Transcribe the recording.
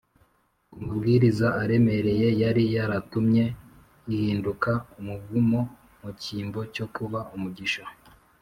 ku mabwiriza aremereye yari yaratumye ihinduka umuvumo mu cyimbo cyo kuba umugisha